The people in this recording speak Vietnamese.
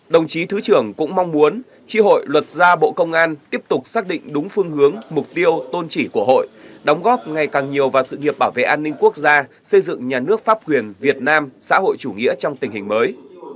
đồng chí thứ trưởng cũng mong muốn tri hội luật gia bộ công an tiếp tục xác định đúng phương hướng mục tiêu tôn chỉ của hội đóng góp ngày càng nhiều vào sự nghiệp bảo vệ an ninh quốc gia xây dựng nhà nước pháp quyền việt nam xã hội chủ nghĩa trong tình hình mới